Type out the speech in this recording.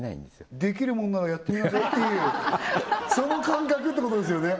できるもんならやってみなさいっていうその感覚ってことですよね